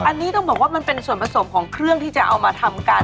อันนี้ต้องบอกว่ามันเป็นส่วนผสมของเครื่องที่จะเอามาทำกัน